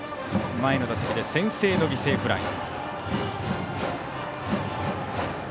前の打席で先制の犠牲フライ。